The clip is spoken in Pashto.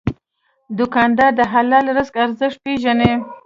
دوکاندار د حلال رزق ارزښت پېژني.